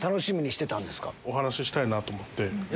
お話ししたいなと思って。